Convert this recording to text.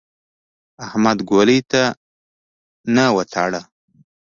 احمد ګولۍ ته نه وتاړه.